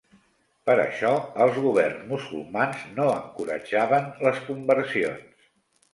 Per això, els governs musulmans no encoratjaven les conversions.